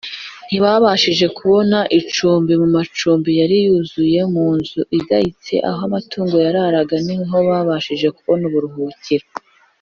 . Ntibabashije kubona icyumba mu macumbi yari yuzuriranye. Mu nzu igayitse aho amatungo yararaga, niho babashije kubona ubuhungiro